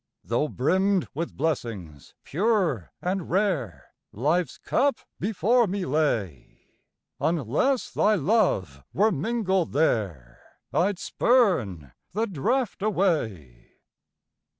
Tho' brimmed with blessings, pure and rare, Life's cup before me lay, Unless thy love were mingled there, I'd spurn the draft away.